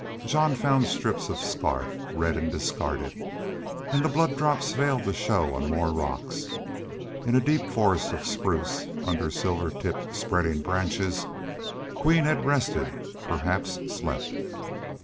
Jean found strips of scarf, red and discarded. And the blood drops failed to show on more rocks. In a deep forest of spruce, under silver tipped spreading branches, Queen had rested, perhaps slept.